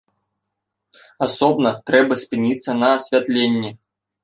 Асобна трэба спыніцца на асвятленні.